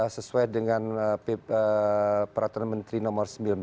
sesuai dengan peraturan menteri nomor sembilan belas